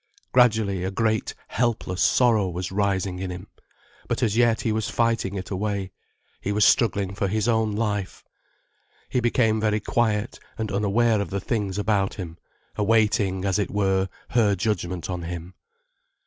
Gradually a great, helpless sorrow was rising in him. But as yet he was fighting it away, he was struggling for his own life. He became very quiet and unaware of the things about him, awaiting, as it were, her judgment on him.